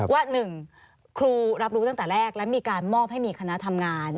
ว่า๑ครูรับรู้ตั้งแต่แรกและมีการมอบให้มีคณะทำงาน